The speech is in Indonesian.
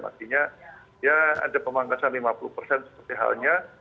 artinya ya ada pemangkasan lima puluh seperti halnya